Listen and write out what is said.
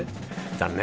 残念。